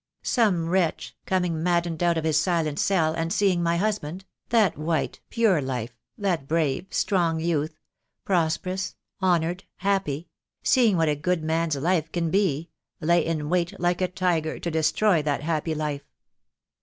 Some wretch, coming 2 88 THE DAY WILL COME. maddened out of his silent cell, and seeing my husband — that white, pure life, that brave, strong youth — prosper ous, honoured, happy — seeing what a good man's life can be — lay in wait like a tiger, to destroy that happy life.